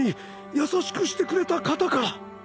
優しくしてくれた方から。